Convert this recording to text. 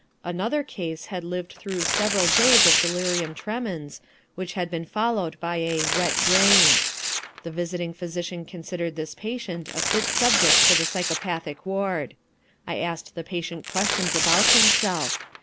Another case had lived through several days of delirium tremens, which had been followed by a "wet brain"; the visiting physician considered this patient a fit subject for the psychopathic ward. I asked the patient questions about himself.